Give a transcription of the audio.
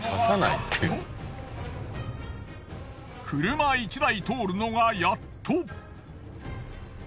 車１台通るのがやっと。